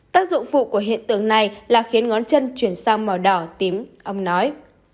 tác dụng phụ của hiện tượng này là khiến ngón chân chuyển sang màu đỏ tím âm nói